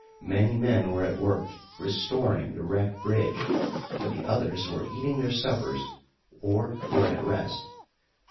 Many men were at work, restoring the wrecked bridge, but the others were eating their suppers or were at rest.